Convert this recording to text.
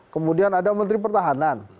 kemudian ada menteri pertahanan